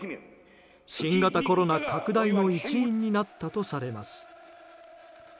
新型コロナ拡大の一因になったとされます。